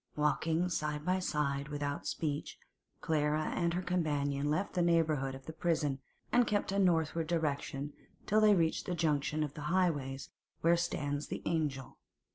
Walking side by side without speech, Clara and her companion left the neighbourhood of the prison, and kept a northward direction till they reached the junction of highways where stands the 'Angel.